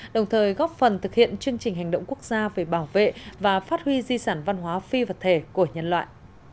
đồng thời góp phần thực hiện chương trình hành động quốc gia về bảo vệ và phát huy di sản văn hóa phi vật thể của nhân loại